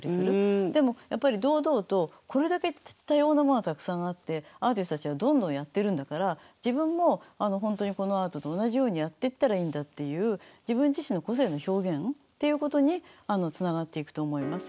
でもやっぱり堂々とこれだけ多様なものがたくさんあってアーティストたちがどんどんやってるんだから自分も本当にこのアートと同じようにやっていったらいいんだっていう自分自身の個性の表現っていうことにつながっていくと思います。